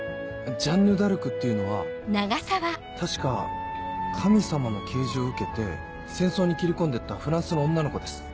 ジャンヌ・ダルクっていうのは確か神様の啓示を受けて戦争に斬り込んで行ったフランスの女の子です。